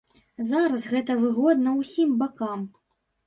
Зараз гэта выгодна ўсім бакам.